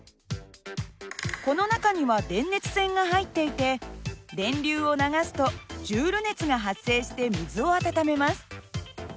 この中には電熱線が入っていて電流を流すとジュール熱が発生して水を温めます。